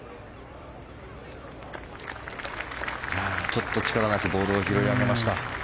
ちょっと力なくボールを拾い上げました。